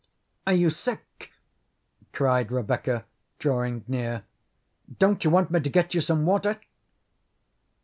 "Are you sick!" cried Rebecca, drawing near. "Don't you want me to get you some water!"